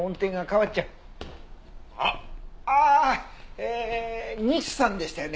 ええ西さんでしたよね？